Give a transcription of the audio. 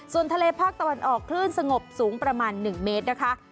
ส่วนทะเลภาคตะวันออกคลื่นสงบสูงประมาณ๑เมตรนะคะ